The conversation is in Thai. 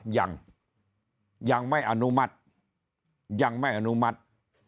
ยังยังไม่อนุมัติยังไม่อนุมัติ